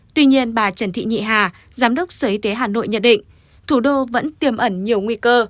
tuy nhiên bà trần thị nhị hà giám đốc sở y tế hà nội nhận định thủ đô vẫn tiềm ẩn nhiều nguy cơ